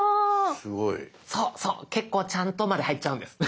そうそう「結構ちゃんと」まで入っちゃうんです。